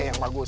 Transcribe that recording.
nih yang bagus